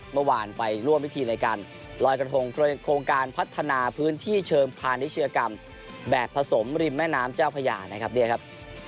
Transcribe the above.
เมื่อวานไปร่วมพิธีในการลอยกระทงโครงการพัฒนาพื้นที่เชิงพาณิชยกรรมแบบผสมริมแม่น้ำเจ้าพญานะครับเนี่ยครับ